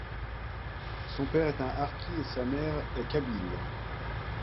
Son père est un harki et sa mère est kabyle.